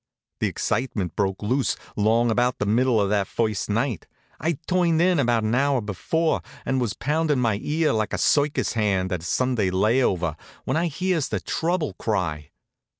The excitement broke loose along about the middle of that first night. I'd turned in about an hour before, and I was poundin' my ear like a circus hand on a Sunday lay over, when I hears the trouble cry.